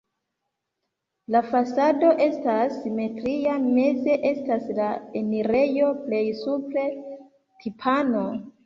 La fasado estas simetria, meze estas la enirejo, plej supre timpano.